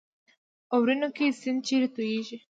اورینوکو سیند چیرې تویږي؟